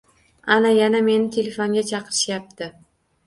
Ana, yana meni telefonga chaqirishyapti